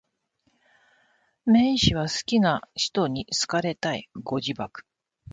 綿 h 氏は好きな使途に好かれたい。ご自爆